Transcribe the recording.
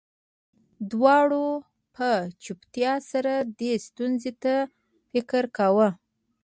دواړو په چوپتیا سره دې ستونزې ته فکر کاوه